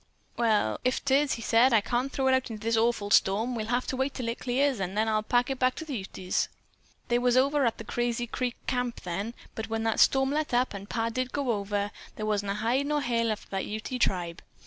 "'Well, if 'tis,' said he, 'I can't throw it out into this awful storm. We'll have to keep it till it clears, an' then I'll pack it back to the Utes.' "They was over at the Crazy Creek camp then, but when that storm let up, and Pa did go over, there wa'n't a hide or hair left of that Ute tribe.